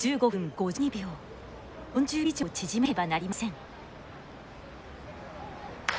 ４０秒以上縮めなければなりません。